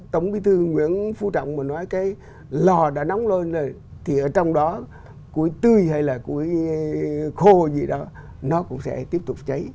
tổng bí thư nguyễn phú trọng mà nói cái lò đã nóng lên rồi thì ở trong đó củi tươi hay là củi khô gì đó nó cũng sẽ tiếp tục cháy